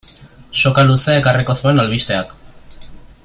Soka luzea ekarriko zuen albisteak.